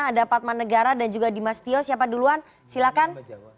ada padmanegara dan juga dimas tio siapa duluan silahkan